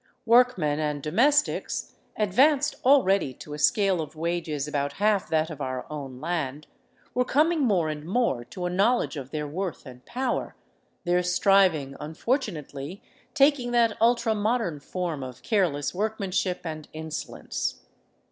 Workmen and domestics, advanced already to a scale of wages about half that of our own land, were coming more and more to a knowledge of their worth and power, their striving Un fortunately taking that ultra modern form of careless workmanship 324 ROUND ABOUT THE PERUVIAN CAPITAL and insolence.